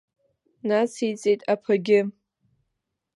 Нациҵеит аԥагьы.